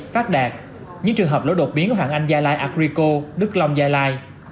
phát đạt những trường hợp lỗ đột biến của hoàng anh gia lai agrico đức long gia lai